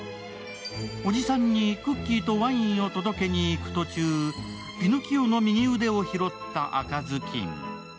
おじさんにクッキーとワインを届けに行く途中、ピノキオの右腕を拾った赤ずきん。